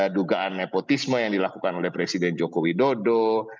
dugaan nepotisme yang dilakukan oleh presiden joko widodo